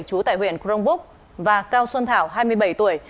chú tại huyện crongbúc và cao xuân thảo hai mươi bảy tuổi